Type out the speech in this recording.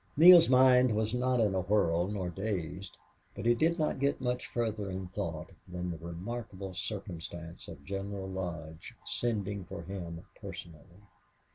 Neale's mind was not in a whirl, nor dazed, but he did not get much further in thought than the remarkable circumstance of General Lodge sending for him personally.